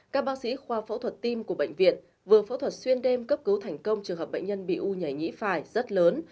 các bác sĩ khoa phẫu thuật tim của bệnh viện vừa phẫu thuật xuyên đêm cấp cứu thành công trường hợp bệnh nhân bị u nhảy nhĩ phải rất lớn